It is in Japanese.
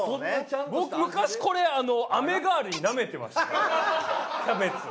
僕昔これ飴代わりに舐めてましたキャベツを。